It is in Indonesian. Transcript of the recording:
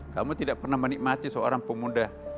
kamu tidak pernah menikmati seorang pemuda